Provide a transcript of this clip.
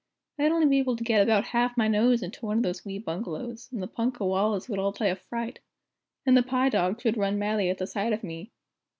I'd only be able to get about half my nose into one of those wee bungalows, and the punkah wallahs would all die of fright! And the 'pi' dogs would run mad at the sight of me.